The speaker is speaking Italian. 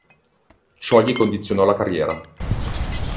Ciò gli condizionò la carriera.